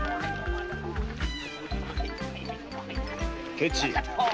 ケチ！